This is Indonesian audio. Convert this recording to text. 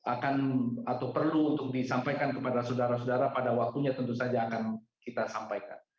akan atau perlu untuk disampaikan kepada saudara saudara pada waktunya tentu saja akan kita sampaikan